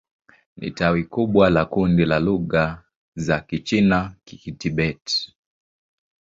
Ni tawi kubwa la kundi la lugha za Kichina-Kitibet.